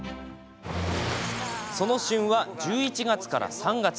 その旬は１１月から３月。